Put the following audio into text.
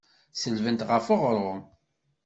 Selbent ɣef uɣrum.